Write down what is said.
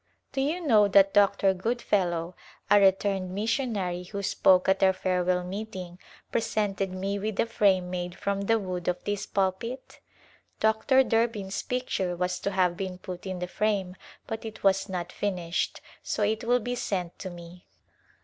Do you know that Dr. Goodfellow, a returned missionary who spoke at our farewell meeting, pre sented me with a frame made from the wood of this pulpit ? Dr. Durbin's picture was to have been put A Glimpse of Lidia in the frame but it was not finished, so it will be sent to me.